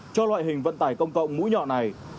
cho loại hình vận tải công cộng mũi nhọn này